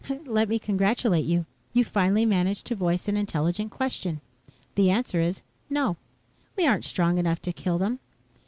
"Let me congratulate you. You've finally managed to voice an intelligent question. The answer is, no. We aren't strong enough to kill them.